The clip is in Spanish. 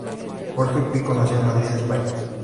Jorge Picó nació en Madrid, España.